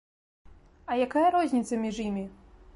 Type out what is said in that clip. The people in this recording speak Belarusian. А якая розніца між імі?